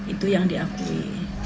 itu yang diakui